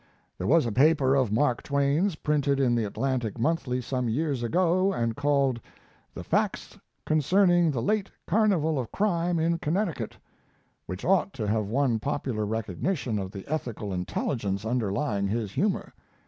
There was a paper of Mark Twain's printed in the Atlantic Monthly some years ago and called, "The Facts Concerning the Late Carnival of Crime in Connecticut," which ought to have won popular recognition of the ethical intelligence underlying his humor.